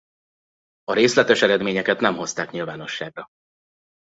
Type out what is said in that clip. A részletes eredményeket nem hozták nyilvánosságra.